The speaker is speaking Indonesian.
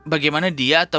jangan sampai dia tak tahu